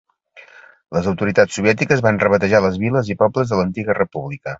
Les autoritats soviètiques van rebatejar les viles i pobles de l'antiga república.